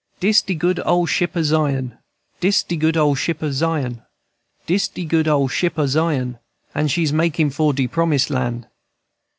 _ "Dis de good ole ship o' Zion, Dis de good ole ship o' Zion, Dis de good ole ship o' Zion, And she's makin' for de Promise Land.